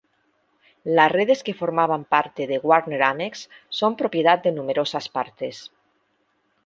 Las redes que formaban parte de Warner-Amex son propiedad de numerosas partes.